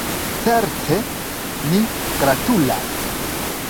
Certe, ni gratulas.